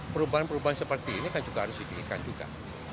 perubahan perubahan seperti ini kan juga harus didirikan juga